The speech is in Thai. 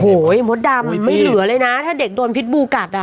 โอ้โหมดดำไม่เหลือเลยนะถ้าเด็กโดนพิษบูกัดอ่ะ